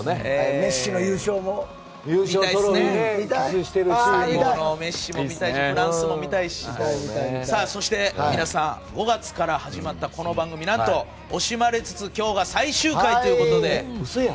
メッシも見たいしフランスも見たいしそして、皆さん５月から始まったこの番組なんと惜しまれつつ今日が最終回ということで。